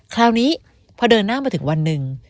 คราวนี้พอเดินหน้ามาถึงวันหนึ่ง